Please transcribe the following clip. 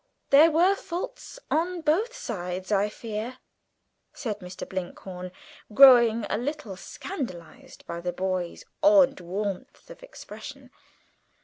"There were faults on both sides, I fear," said Mr. Blinkhorn, growing a little scandalised by the boy's odd warmth of expression.